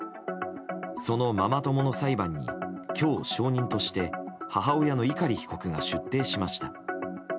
そのママ友の裁判に今日、証人として母親の碇被告が出廷しました。